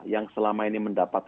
yang selama ini mendapatkan